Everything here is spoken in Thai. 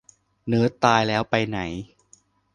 เนิร์ดตายแล้วไปไหน ?